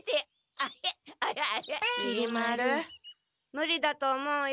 ムリだと思うよ。